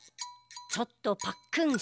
ちょっとパックンしてみる？